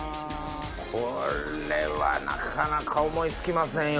これはなかなか思い付きませんよ